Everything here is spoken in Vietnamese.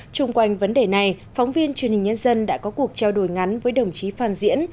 trung quanh vấn đề này phóng viên truyền hình nhân dân đã có cuộc trao đổi ngắn với đồng chí phan diễn